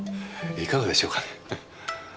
いかがでしょうかね？